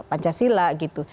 dan pancasila gitu